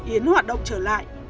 yến hoạt động trở lại